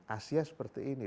asia seperti ini